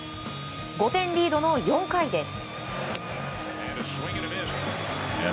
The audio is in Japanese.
５点リードの４回です。